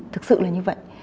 thực sự là như vậy